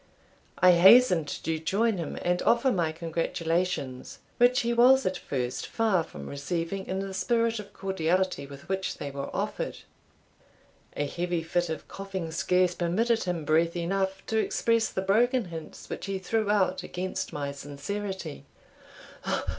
I hastened to join him and offer my congratulations, which he was at first far from receiving in the spirit of cordiality with which they were offered. A heavy fit of coughing scarce permitted him breath enough to express the broken hints which he threw out against my sincerity.